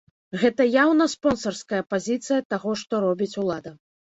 Гэта яўна спонсарская пазіцыя таго, што робіць улада.